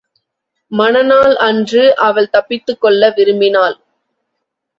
மண நாள் அன்று அவள் தப்பித்துக் கொள்ள விரும்பினாள்.